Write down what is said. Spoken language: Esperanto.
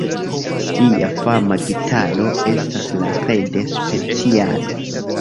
Lia fama gitaro estas la Red Special.